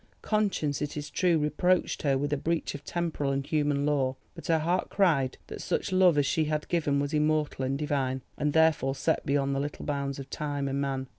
Conscience, it is true, reproached her with a breach of temporal and human law, but her heart cried that such love as she had given was immortal and divine, and therefore set beyond the little bounds of time and man.